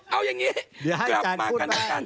เอาอย่างนี้กลับมากันนะกันเดี๋ยวให้อาจารย์พูดแบบ